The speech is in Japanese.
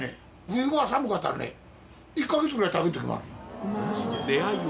冬場は寒かったらね１か月ぐらい食べん時もあるよ